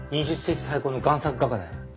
２０世紀最高の贋作画家だよ。